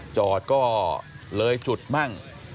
จอดก็เลยจุดมั่ง